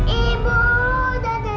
ibu dada dita sakit